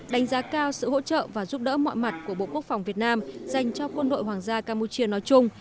đánh giá cao sự hỗ trợ và giúp đỡ mọi mặt của bộ quốc phòng việt nam dành cho quân đội hoàng gia campuchia nói chung